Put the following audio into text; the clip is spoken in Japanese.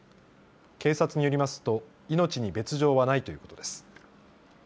警察によりますと命に別状はないということです。